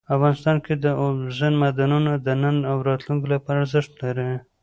افغانستان کې اوبزین معدنونه د نن او راتلونکي لپاره ارزښت لري.